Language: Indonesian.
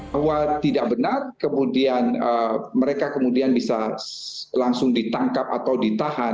bahwa tidak benar kemudian mereka kemudian bisa langsung ditangkap atau ditahan